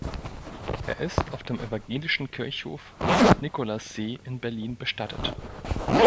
Er ist auf dem Evangelischen Kirchhof Nikolassee in Berlin bestattet.